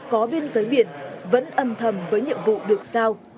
có biên giới biển vẫn âm thầm với nhiệm vụ được sao